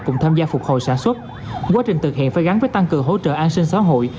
cùng tham gia phục hồi sản xuất quá trình thực hiện phải gắn với tăng cường hỗ trợ an sinh xã hội